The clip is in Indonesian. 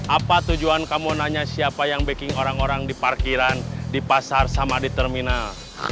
apa tujuan kamu nanya siapa yang baking orang orang di parkiran di pasar sama di terminal